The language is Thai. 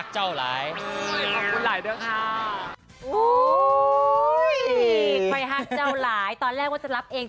เจ้าหลายตอนแรกว่าจะรับเอง